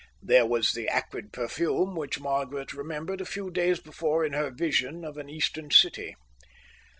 There was the acrid perfume which Margaret remembered a few days before in her vision of an Eastern city.